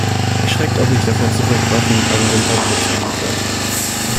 Es schreckt auch nicht davor zurück, Waffen an Simbabwe zu liefern.